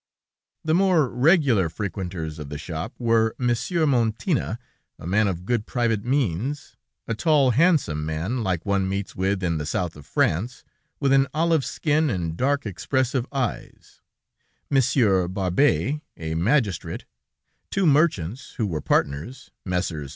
"The most regular frequenters of the shop were Monsieur Montina, a man of good private means, a tall, handsome man, like one meets with in the South of France, with an olive skin, and dark, expressive eyes; Monsieur Barbet, a magistrate; two merchants, who were partners, Messrs.